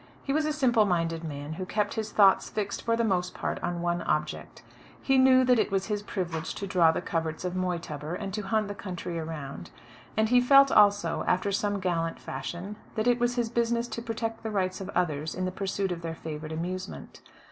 He was a simple minded man, who kept his thoughts fixed for the most part on one object. He knew that it was his privilege to draw the coverts of Moytubber, and to hunt the country around; and he felt also, after some gallant fashion, that it was his business to protect the rights of others in the pursuit of their favourite amusement.